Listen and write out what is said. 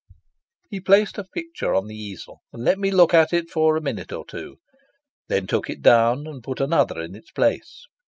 He placed a picture on the easel, and let me look at it for a minute or two; then took it down and put another in its place.